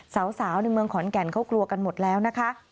สาวในเมืองขอนแก่นเขากลัวกันหมดแล้วนะคะ